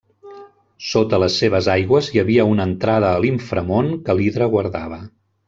Sota les seves aigües hi havia una entrada a l'inframón que l'Hidra guardava.